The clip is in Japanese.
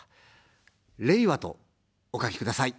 れいわと、お書きください。